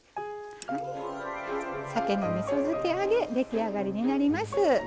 さけのみそ漬け揚げ出来上がりになります。